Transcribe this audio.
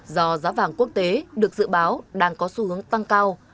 do giá vàng quốc tế được dự báo đang có xu hướng tăng cao